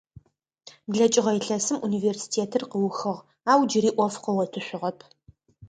БлэкӀыгъэ илъэсым университетыр къыухыгъ ау джыри Ӏоф къыгъотышъугъэп.